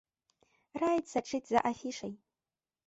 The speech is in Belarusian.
Раіць сачыць за афішай.